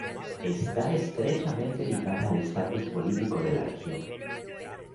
Está estrechamente ligada al estatus político de la región.